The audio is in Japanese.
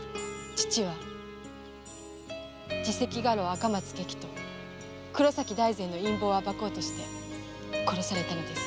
父は次席家老・赤松外記と黒崎大膳の陰謀を暴こうとして殺されたのです。